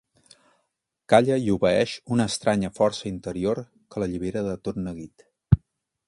Calla i obeeix una estranya força interior que l'allibera de tot neguit.